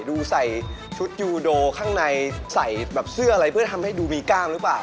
ดูใส่ชุดยูโดข้างในใส่แบบเสื้ออะไรเพื่อทำให้ดูมีกล้ามหรือเปล่า